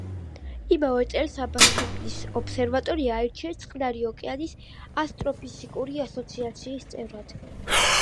იმავე წელს აბასთუმნის ობსერვატორია აირჩიეს წყნარი ოკეანის ასტროფიზიკური ასოციაციის წევრად.